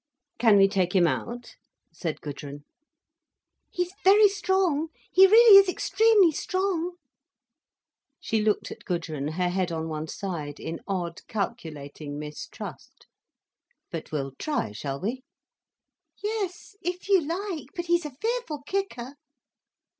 "Can we take him out?" said Gudrun. "He's very strong. He really is extremely strong." She looked at Gudrun, her head on one side, in odd calculating mistrust. "But we'll try, shall we?" "Yes, if you like. But he's a fearful kicker!"